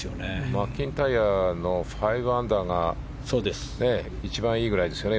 マッキンタイアの５アンダーが一番いいくらいですかね